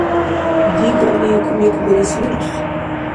Дигалли, кумекбарес вирус.